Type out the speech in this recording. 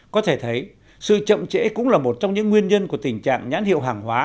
có thể thấy sự chậm trễ cũng là một trong những nguyên nhân của tình trạng nhãn hiệu hàng hóa